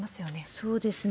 そうですね。